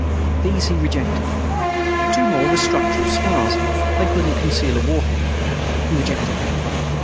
These he rejected. Two more were structural spars. They couldn't conceal a warhead. He rejected them.